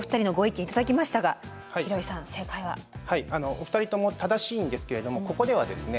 お二人とも正しいんですけれどもここではですね